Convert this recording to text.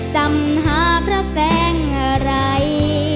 จำหาพระแสงอะไร